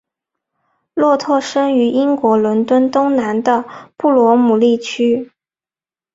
洛特生于英国伦敦东南的布罗姆利区。